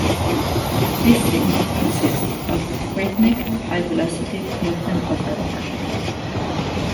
These signals consist of rhythmic high-velocity movement of air particles.